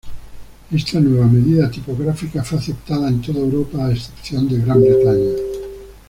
Esta nueva medida tipográfica fue aceptada en toda Europa a excepción de Gran Bretaña.